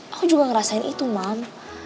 aku juga ngerasain itu mam